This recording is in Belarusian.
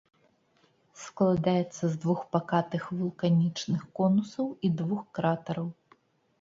Складаецца з двух пакатых вулканічных конусаў і двух кратараў.